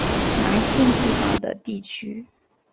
南信地方的地区。